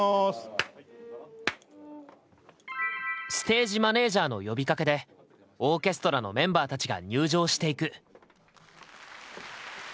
ステージマネージャーの呼びかけでオーケストラのメンバーたちが入場していく。